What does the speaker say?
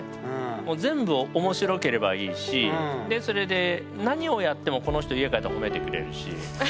もう全部面白ければいいしでそれで何をやってもこの人家帰ったら褒めてくれるし。